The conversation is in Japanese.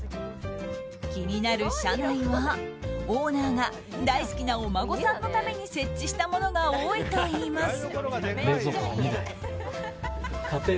気になる車内はオーナーが大好きなお孫さんのために設置したものが多いといいます。